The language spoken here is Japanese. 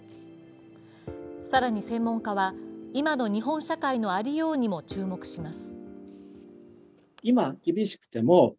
更に専門家は、今の日本社会のありようにも注目します。